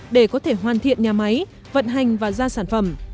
để có thể hoàn thiện nhà máy vận hành và ra sản phẩm